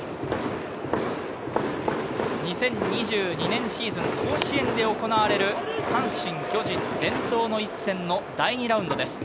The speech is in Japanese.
２０２２年シーズン、甲子園で行われる阪神・巨人、伝統の一戦の第２ラウンドです。